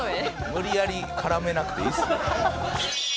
無理やり絡めなくていいっすよ。